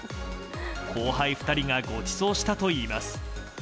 後輩２人がごちそうしたといいます。